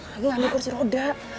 lagi ambil kursi roda